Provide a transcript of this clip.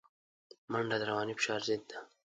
منډه د رواني فشار ضد ده